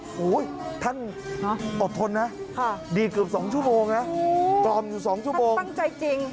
โอ้โฮท่านอบทนนะดีดกลุ่ม๒ชั่วโมงนะตรอมอยู่๒ชั่วโมงท่านตั้งใจจริง